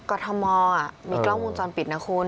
กฏธมอลอ่ะมีกล้องวงจรปิดนะคุณ